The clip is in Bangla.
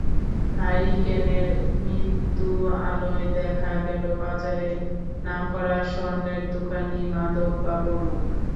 হারিকেনের মৃদু আলোয় দেখা গেল বাজারের নামকরা স্বর্ণের দোকানি মাধব বাবুর মুখ।